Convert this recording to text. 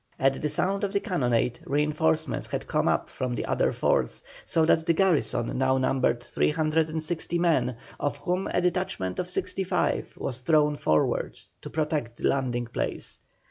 At the sound of the cannonade reinforcements had come up from the other forts, so that the garrison now numbered 360 men, of whom a detachment of 65 was thrown forward to protect the landing place.